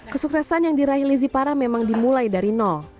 kesuksesan yang diraih lizzy parra memang dimulai dari nol